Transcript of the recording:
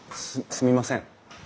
すみません。